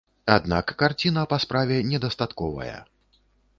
Аднак карціна па справе недастатковая.